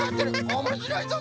おもしろいぞ！